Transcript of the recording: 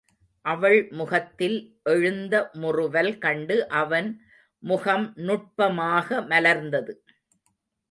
அவள் முகத்தில் எழுந்த முறுவல் கண்டு அவன் முகம் நுட்பமாக மலர்ந்தது.